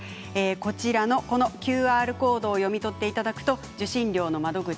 こちらのＱＲコードを読み取っていただくと受信料の窓口